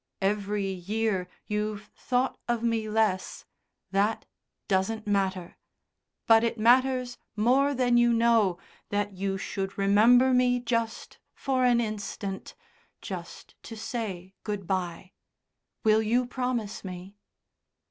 Every year you've thought of me less that doesn't matter but it matters more than you know that you should remember me just for an instant, just to say good bye. Will you promise me?"